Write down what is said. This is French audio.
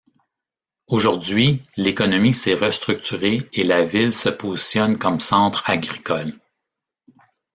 Aujourd'hui, l'économie s'est restructurée et la ville se positionne comme centre agricole.